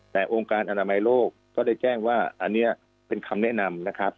แต่องค์การอนามัยโลกก็ได้แจ้งว่าอันนี้เป็นคำแนะนำนะครับ